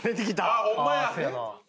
あっホンマや！